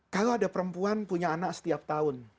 kalau ada perempuan punya anak setiap tahun